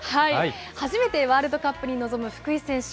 初めてワールドカップに臨む福井選手。